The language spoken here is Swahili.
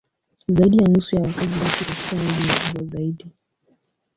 Zaidi ya nusu ya wakazi huishi katika miji mikubwa zaidi.